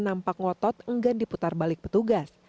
nampak ngotot enggan diputar balik petugas